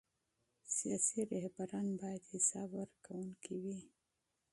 سیاسي رهبران باید حساب ورکوونکي وي